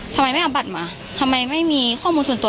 ทำไมไม่เอาบัตรมาทำไมไม่มีข้อมูลส่วนตัว